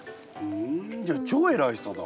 ふんじゃあ超偉い人だ。